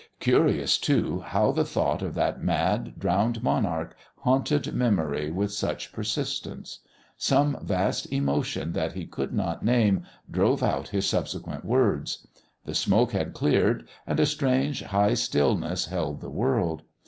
Curious, too, how the thought of that mad, drowned monarch haunted memory with such persistence. Some vast emotion that he could not name drove out his subsequent words. The smoke had cleared, and a strange, high stillness held the world.